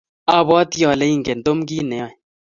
abwatii ale ingen Tom kito neyoe.